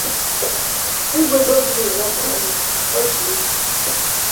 Igwe Godwin Nwabunwanne Odiegwu